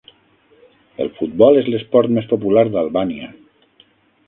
El futbol és l'esport més popular d'Albània.